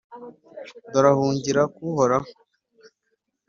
dore ahungira kuri uhoraho.